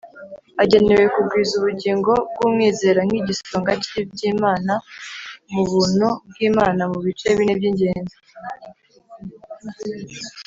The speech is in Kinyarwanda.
agenewe kugwiza ubugingo bw’umwizera nk’igisonga cy’iby'Imana mu buntu bw'Imana mu bice bine by'ingenzi